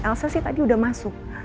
elsa sih tadi udah masuk